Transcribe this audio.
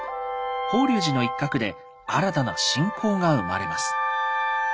法隆寺の一角で新たな信仰が生まれます。